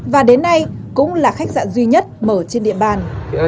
và đến nay cũng là khách sạn duy nhất mở trên địa bàn